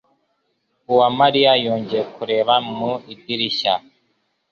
Uwamariya yongeye kureba mu idirishya.